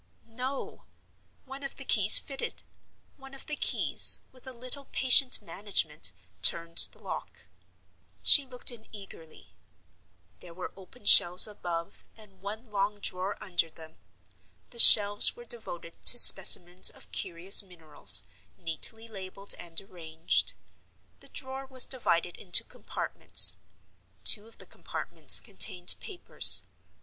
No! One of the keys fitted; one of the keys, with a little patient management, turned the lock. She looked in eagerly. There were open shelves above, and one long drawer under them. The shelves were devoted to specimens of curious minerals, neatly labeled and arranged. The drawer was divided into compartments. Two of the compartments contained papers.